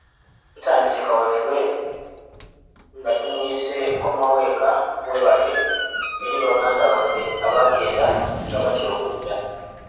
Tutandise kaweefube nga tumuyise Komawo eka weebake eri baganda baffe abaagenda nga batya okudda.